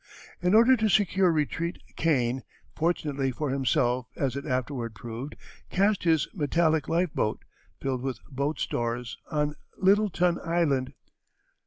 In order to secure retreat Kane, fortunately for himself as it afterward proved, cached his metallic life boat, filled with boat stores, on Littleton Island.